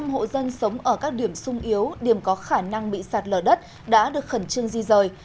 một trăm linh hộ dân sống ở các điểm sung yếu điểm có khả năng bị sạt lở đất đã được khẩn trương di rời